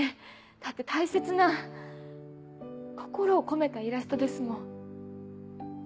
だって大切な心を込めたイラストですもん。